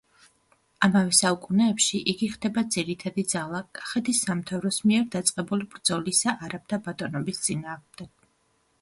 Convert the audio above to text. ამავე საუკუნეებში იგი ხდება ძირითადი ძალა კახეთის სამთავროს მიერ დაწყებული ბრძოლისა არაბთა ბატონობის წინააღმდეგ.